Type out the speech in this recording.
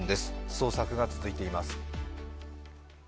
捜索が続いています。